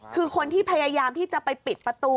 คือคนที่พยายามที่จะไปปิดประตู